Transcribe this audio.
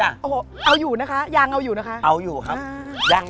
ก็หนูซ้อนได้เปล่าคุณพี่